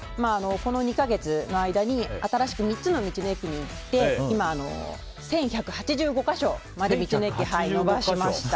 この２か月の間に新しく３つの道の駅に行って今、１１８５か所まで道の駅に行きました。